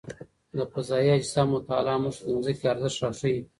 د فضايي اجسامو مطالعه موږ ته د ځمکې ارزښت راښيي.